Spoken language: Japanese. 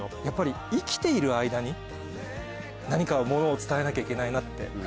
やっぱり生きている間に何かものを伝えなきゃいけないなって。